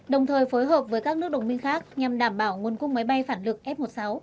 đồng thời phối hợp với các nước đồng minh khác nhằm đảm bảo nguồn cung máy bay phản lực f một mươi sáu